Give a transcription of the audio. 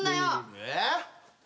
えっ？